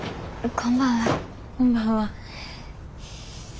こんばんは。